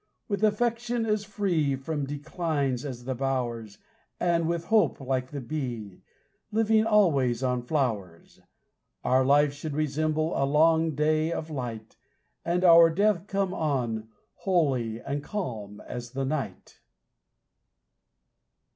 With affection as free From decline as the bowers, And, with hope, like the bee, Living always on flowers, Our life should resemble a long day of light, And our death come on, holy and calm as the night.